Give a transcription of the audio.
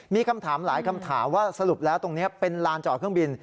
มีคำถามหลายคำถามว่าสรุปแล้วตรงนี้เป็นลานจอดเครื่องบิน